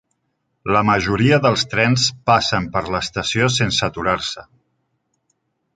La majoria del trens passen per l'estació sense aturar-se.